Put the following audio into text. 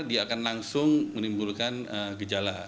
dia akan langsung menimbulkan gejala